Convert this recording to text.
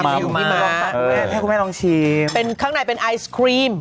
กลับมาให้ผมให้ลองชิมข้างในเป็นไอศครีม